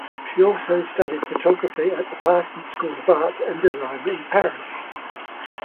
She also studied photography at the Parsons School of Art and Design in Paris.